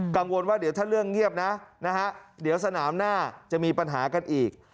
กังวลว่าเดี๋ยวถ้าเรื่องเงียบนะนะฮะเดี๋ยวสนามหน้าจะมีปัญหากันอีก